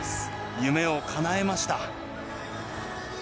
夢をかなえました。